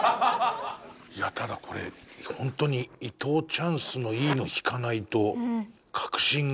ただこれホントに伊藤チャンスのいいの引かないと確信が。